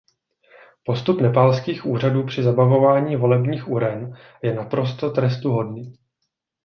Postup nepálských úřadů při zabavování volebních uren je naprosto trestuhodný.